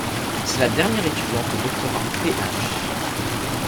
C'est la dernière étudiante au doctorat Ph.